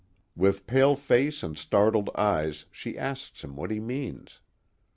" With pale face and startled eyes she asks him what he means.